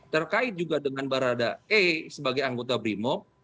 terkait juga dengan barada e sebagai anggota brimob